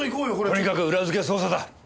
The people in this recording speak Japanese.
とにかく裏付け捜査だ。